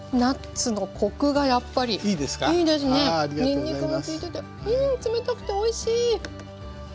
にんにくが効いてて冷たくておいしい！